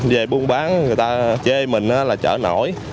về buôn bán người ta chê mình là chợ nổi